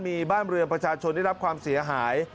มีบ้านเรือนประชาชนได้รับความเสียหาย